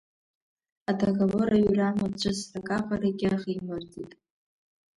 Адоговор аҩра мацәысрак аҟарагьы ахимырҵит.